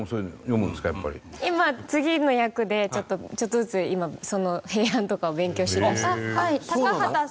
今次の役でちょっとずつ平安とかを勉強しだして。